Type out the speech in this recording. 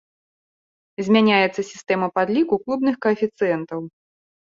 Змяняецца сістэма падліку клубных каэфіцыентаў.